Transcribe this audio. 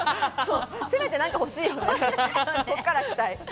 せめて何か欲しいよね。